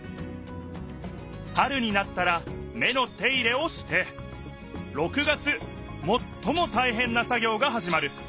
春になったら芽の手入れをして６月もっともたいへんな作業がはじまる。